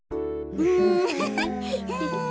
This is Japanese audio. うん。